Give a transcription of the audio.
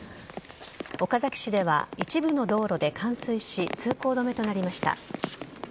岡崎市では、一部の道路で冠水し通行止めとなりました。